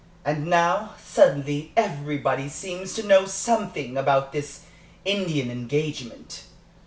And now, suddenly, everybody seems to know something about this Indian engagement.